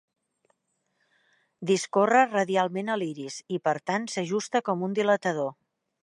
Discorre radialment a l'iris i, per tant, s'ajusta com un dilatador.